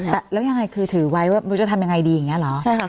แต่แล้วยังไงคือถือไว้ว่าเราจะทำยังไงดีอย่างเงี้ยเหรอใช่ค่ะ